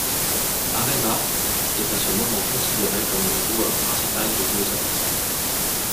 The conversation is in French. Arenas est à ce moment considéré comme le joueur principal des Wizards.